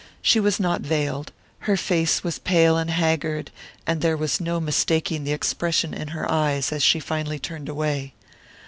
She was not veiled, her face was pale and haggard, and there was no mistaking the expression in her eyes as she finally turned away.